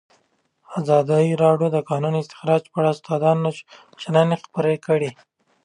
ازادي راډیو د د کانونو استخراج په اړه د استادانو شننې خپرې کړي.